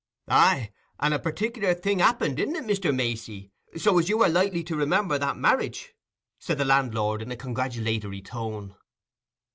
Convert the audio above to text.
"Aye, and a partic'lar thing happened, didn't it, Mr. Macey, so as you were likely to remember that marriage?" said the landlord, in a congratulatory tone.